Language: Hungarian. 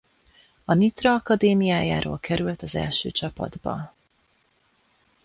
A Nitra akadémiájáról került az első csapatba.